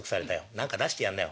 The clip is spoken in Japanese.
何か出してやんなよ。